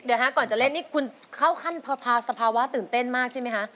เดี๋ยวฮะก่อนจะเล่นนี่คุณเข้าขั้นสภาวะตื่นเต้นมากใช่ไหมคะ